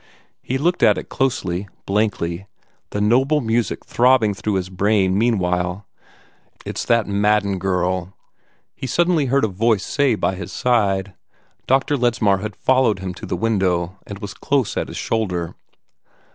He looked at it closely, blankly, the noble music throbbing through his brain meanwhile. "It's that Madden girl!" he suddenly heard a voice say by his side. Dr. Ledsmar had followed him to the window, and was close at his shoulder.